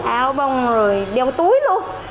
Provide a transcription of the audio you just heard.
áo bông rồi đeo túi luôn